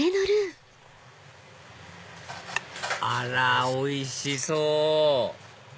あらおいしそう！